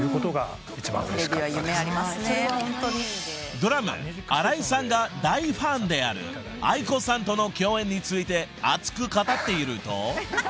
［ドラム荒井さんが大ファンであるａｉｋｏさんとの共演について熱く語っていると］